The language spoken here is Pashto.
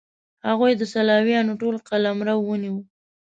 هغوی د سلاویانو ټول قلمرو ونیو.